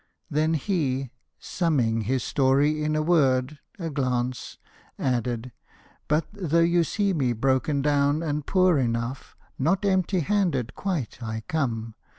Then he, Summing his story in a word, a glance, Added, "But though you see me broken down And poor enough, not empty handed quite I come.